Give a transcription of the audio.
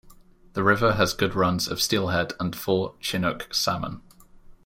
The river has good runs of steelhead and fall Chinook salmon.